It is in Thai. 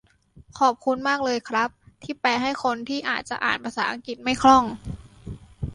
ขอบคุณมากเลยครับที่แปลให้คนที่อาจจะอ่านภาษาอังกฤษไม่คล่อง